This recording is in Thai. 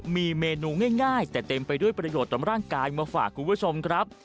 มีเมนูง่ายแต่เต็มไปด้วยประโยชน์ต่อร่างกายมาฝากคุณผู้ชมครับ